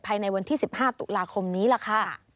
ภายในวันที่๑๕ตุลาคมนี้ล่ะค่ะ